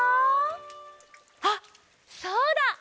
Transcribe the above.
あっそうだ！